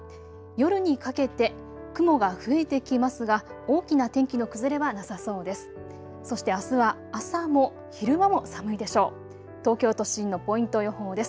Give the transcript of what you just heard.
夜にかけて雲が増えてきますが大きな天気の崩れはなさそうです。